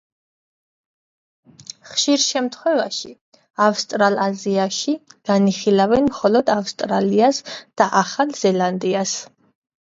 ხშირ შემთხვევაში ავსტრალაზიაში განიხილავენ მხოლოდ ავსტრალიას და ახალ ზელანდიას.